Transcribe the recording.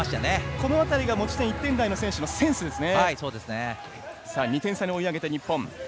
この辺りが持ち点１点台の選手のセンスですね。